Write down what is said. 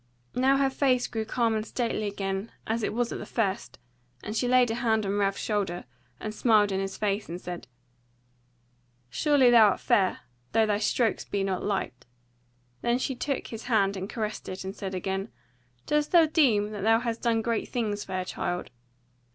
Now her face grew calm and stately again as it was at the first, and she laid a hand on Ralph's shoulder, and smiled in his face and said: "Surely thou art fair, though thy strokes be not light." Then she took his hand and caressed it, and said again: "Dost thou deem that thou hast done great things, fair child?